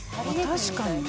確かにね